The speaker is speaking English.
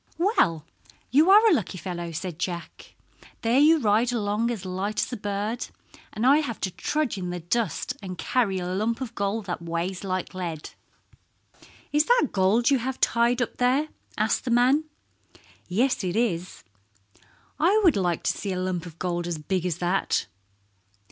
"Well, you are a lucky fellow," said Jack. "There you ride along as light as a bird, and I have to trudge in the dust and carry a lump of gold that weighs like lead." "Is that gold you have tied up there?" asked the man. "Yes, it is." "I would like to see a lump of gold as big as that."